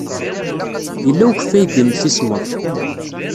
Yella ukeffay deg yemsismeḍ.